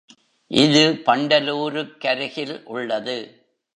இது பண்டலூருக் கருகில் உள்ளது.